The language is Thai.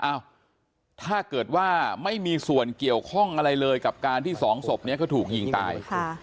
ถ้าเกิดว่าไม่มีส่วนเกี่ยวข้องอะไรเลยกับการที่สองศพนี้เขาถูกยิงตาย